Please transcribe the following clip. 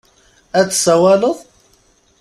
Ad d-tsawaleḍ?